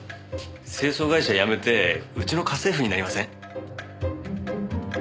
清掃会社辞めてうちの家政婦になりません？